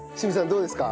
どうですか？